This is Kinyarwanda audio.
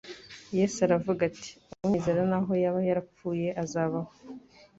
Yesu aravuga ati :« unyizera naho yaba yarapfuye azabaho.